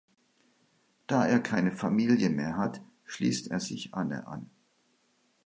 Da er keine Familie mehr hat, schließt er sich Anne an.